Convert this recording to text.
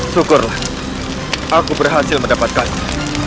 syukurlah aku berhasil mendapatkannya